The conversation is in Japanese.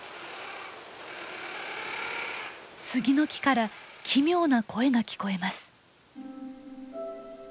スギの木から奇妙な声が聞こえます。